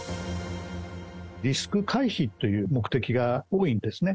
リスク回避という目的が多いんですね。